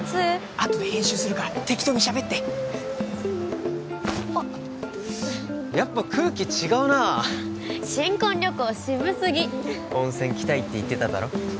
あとで編集するから適当にしゃべってあっやっぱ空気違うな新婚旅行渋すぎ温泉来たいって言ってただろ？